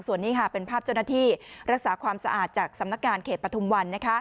ส่วนนี้ค่ะเป็นภาพเจ้าหน้าที่รักษาความสะอาดจากสำนักงานเขตปฐุมวัน